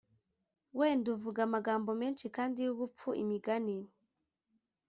wenda uvuga amagambo menshi kandi y ubupfu Imigani